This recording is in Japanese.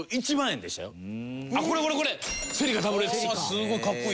すごいかっこいい。